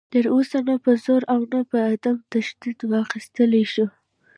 تر اوسه نه په زور او نه په عدم تشدد واخیستلی شو